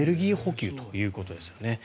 エネルギー補給ということですよね。